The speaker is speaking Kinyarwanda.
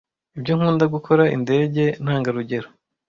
Ibyo nkunda gukora indege ntangarugero.